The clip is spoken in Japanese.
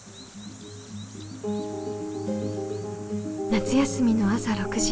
夏休みの朝６時。